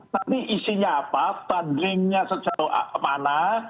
tapi isinya apa pandangannya sejauh mana